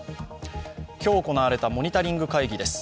今日行われたモニタリング会議です。